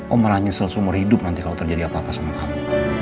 om malah nyesel seumur hidup nanti kalau terjadi apa apa sama kamu